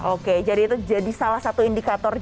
oke jadi itu jadi salah satu indikator